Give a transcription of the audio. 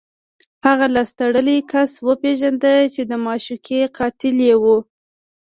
هغه لاس تړلی کس وپېژنده چې د معشوقې قاتل یې و